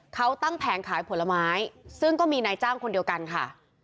เขาตั้งแผงขายผลไม้ซึ่งก็มีนายจ้างคนเดียวกันค่ะ